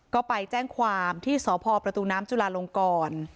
ก็ไปแจ้งความที่สพประตูน้ำจุลาลงกร